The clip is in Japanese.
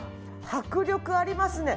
迫力ありますね。